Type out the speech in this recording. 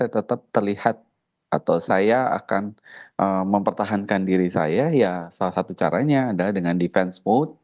tetap terlihat atau saya akan mempertahankan diri saya ya salah satu caranya adalah dengan defense food